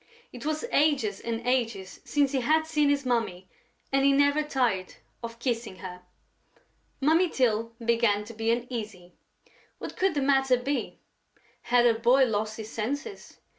It was ages and ages since he had seen his Mummy and he never tired of kissing her. Mummy Tyl began to be uneasy. What could the matter be? Had her boy lost his senses?